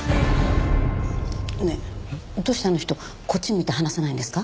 ねえどうしてあの人こっち向いて話さないんですか？